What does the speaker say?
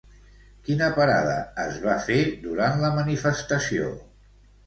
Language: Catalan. Quina parada es va fer durant la manifestació?